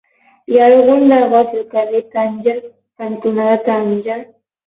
Hi ha algun negoci al carrer Tànger cantonada Tànger?